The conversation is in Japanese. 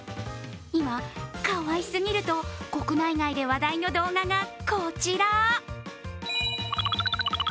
今、かわいすぎると国内外で話題の動画がこちら。